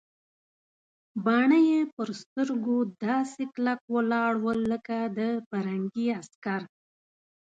باڼه یې پر سترګو داسې کلک ولاړ ول لکه د پرنګي عسکر.